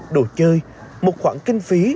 đồ chơi một khoản kinh phí